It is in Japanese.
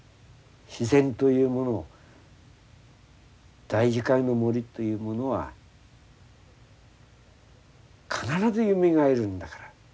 「自然というもの大樹海の森というものは必ず蘇るんだから。